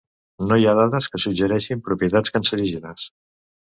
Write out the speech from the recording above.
No hi ha dades que suggereixin propietats cancerígenes.